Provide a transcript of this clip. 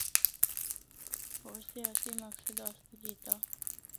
ہور سیاسی مقصد واسطے کیتا۔